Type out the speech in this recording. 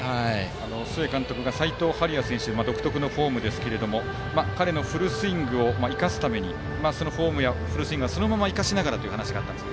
須江監督が、齋藤敏哉選手独特のフォームですが彼のフルスイングを生かすためにそのフォームやフルスイングはそのまま生かしながらという話がありました。